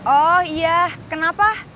oh iya kenapa